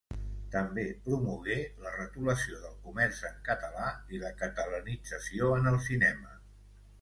També promogué la retolació del comerç en català i la catalanització en el cinema.